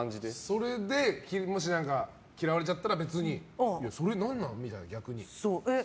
それでもし嫌われちゃったら別にそれ何なの？みたいな。